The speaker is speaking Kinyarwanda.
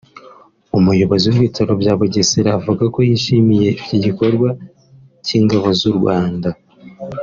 umuyobozi w’ ibitaro bya Bugesera avuga ko yishimiye iki gikorwa cy’ ingabo z’ u Rwanda